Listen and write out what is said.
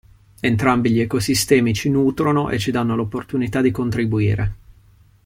Entrambi gli ecosistemi ci nutrono e ci danno l'opportunità di contribuire.